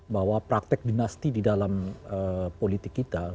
bahwa praktek dinasti di dalam politik kita